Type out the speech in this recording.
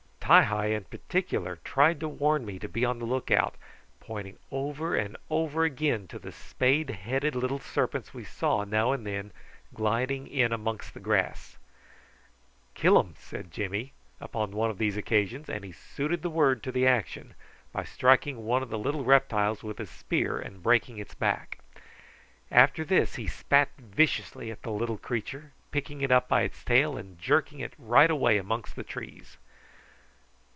Ti hi in particular tried to warn me to be on the look out, pointing over and over again to the spade headed little serpents we saw now and then gliding in amongst the grass. "Killum," said Jimmy upon one of these occasions, and he suited the word to the action by striking one of these little reptiles with his spear and breaking its back. After this he spat viciously at the little creature, picking it up by its tail and jerking it right away amongst the trees.